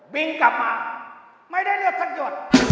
บิ้งกลับมาไม่ได้เลือกสักหยุด